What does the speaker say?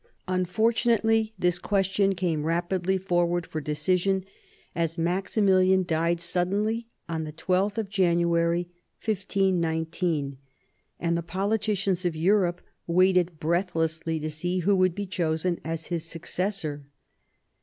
Unfortunately this question came rapidly for ward for decision, as Maximilian died suddenly on 12th January 1519, and the politicians of Europe waited breathlessly to see who would be chosen as his successor.